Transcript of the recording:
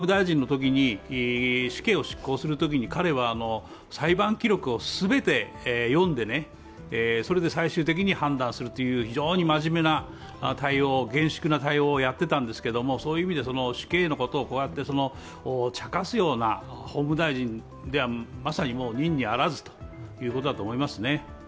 あそうもいかず、考えてみると谷垣さんが法務大臣のときに死刑を執行するときに彼は裁判記録を全て読んで、それで最終的に判断するという非常に真面目な対応厳粛な対応をやっていたんですけれどもそういう意味で死刑のことをこうやってちゃかすような法務大臣ではまさに任にあらずということだと思いますね。